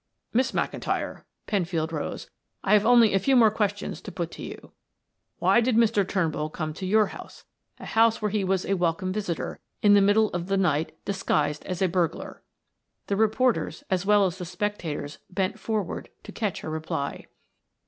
"Miss McIntyre," Penfield rose, "I have only a few more questions to put to you. Why did Mr. Turnbull come to your house a house where he was a welcome visitor in the middle of the night disguised as a burglar?" The reporters as well as the spectators bent forward to catch her reply.